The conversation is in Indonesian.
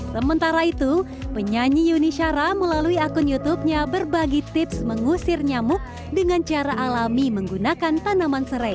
sementara itu penyanyi yuni syara melalui akun youtubenya berbagi tips mengusir nyamuk dengan cara alami menggunakan tanaman serai